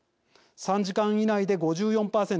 ３時間以内で５４％。